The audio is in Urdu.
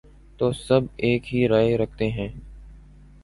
تو سب ایک ہی رائے رکھتے ہیں۔